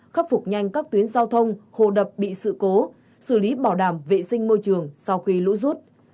khắc phục nhanh các tuyến giao thông hồ đập bị sự cố xử lý bảo đảm vệ sinh môi trường sau khi lũ rút